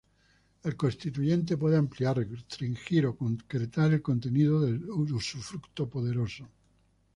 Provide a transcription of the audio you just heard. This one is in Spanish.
El constituyente puede ampliar, restringir o concretar el contenido del usufructo poderoso.